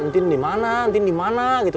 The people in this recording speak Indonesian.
ntin dimana ntin dimana gitu